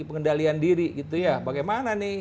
pengendalian diri gitu ya bagaimana nih